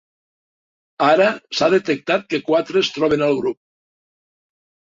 Ara, s'ha detectat que quatre es troben al grup.